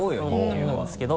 思うんですけど。